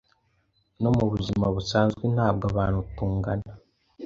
No mu buzima busanzwe ntabwo abantu tungana